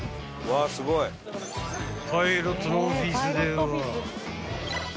［パイロットのオフィスでは］